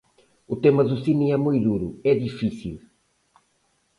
O tema do cine é moi duro, é difícil.